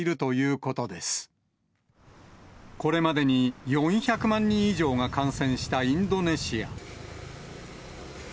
これまでに４００万人以上が感染したインドネシア。